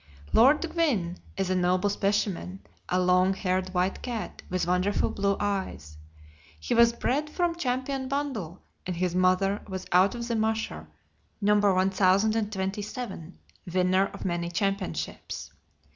Lord Gwynne is a noble specimen, a long haired white cat with wonderful blue eyes. He was bred from Champion Bundle, and his mother was out of The Masher, No. 1027, winner of many championships.